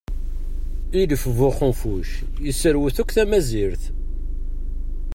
Ilef bu uxenfuc yesserwet akk tamazirt.